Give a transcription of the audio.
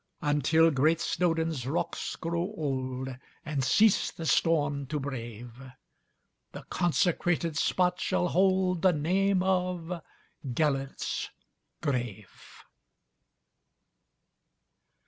And, till great Snowdon's rocks grow old, And cease the storm to brave, The consecrated spot shall holdThe name of "Gêlert's Grave."